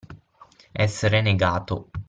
Essere negato.